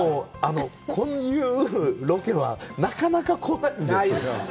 こういうロケはなかなか来ないんです。